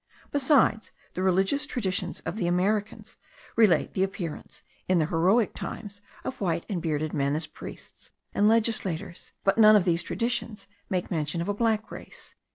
Besides, the religious traditions of the Americans relate the appearance, in the heroic times, of white and bearded men as priests and legislators; but none of these traditions make mention of a black race.)